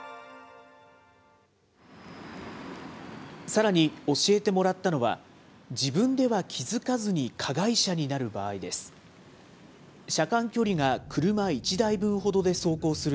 さらに、教えてもらったのは、自分では気付かずに加害者になる場合です。